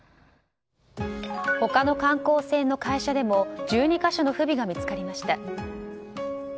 他の観光船の会社でも１２か所の不備が見つかりました。